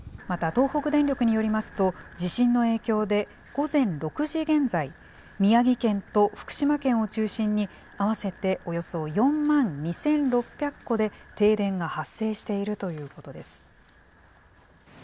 また東北電力によりますと、地震の影響で、午前６時現在、宮城県と福島県を中心に、合わせておよそ４万２６００戸で停電が発生しているということです。